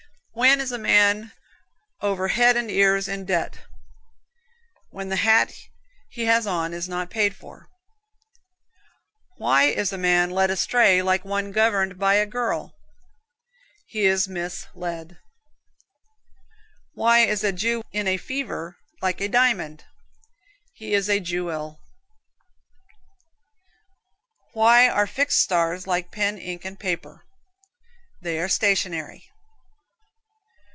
When is a man over head and ears in debt? When the hat he has on is not paid for. Why is a man led astray like one governed by a girl? He is misled (miss led). Why is a Jew in a fever like a diamond? He is a Jew ill (jewel). Why are fixed stars like pen, ink and paper? They are stationary (stationery).